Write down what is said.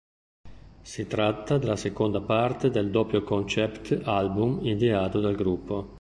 Si tratta della seconda parte del doppio concept album ideato dal gruppo.